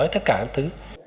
tất cả các thứ